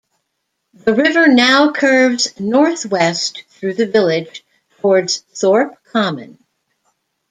The river now curves northwest through the village towards Thorpe common.